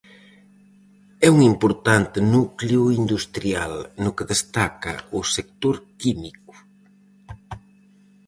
É un importante núcleo industrial, no que destaca o sector químico.